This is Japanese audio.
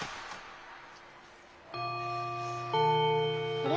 あれ？